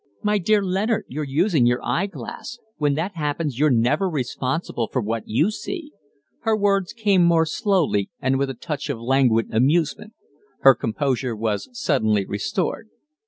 "My dear Leonard, you're using your eye glass; when that happens you're never responsible for what you see." Her words came more slowly and with a touch of languid amusement. Her composure was suddenly restored.